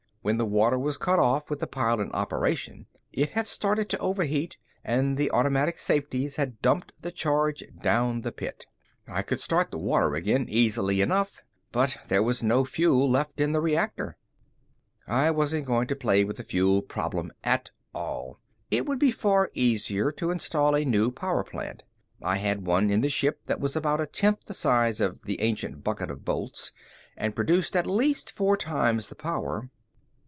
When the water was cut off with the pile in operation, it had started to overheat and the automatic safeties had dumped the charge down the pit. I could start the water again easily enough, but there was no fuel left in the reactor. I wasn't going to play with the fuel problem at all. It would be far easier to install a new power plant. I had one in the ship that was about a tenth the size of the ancient bucket of bolts and produced at least four times the power.